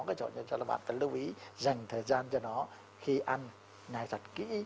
các bạn phải lưu ý dành thời gian cho nó khi ăn nhai thật kỹ